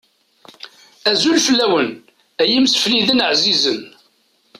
Azul fell-awen, ay imesfliden εzizen.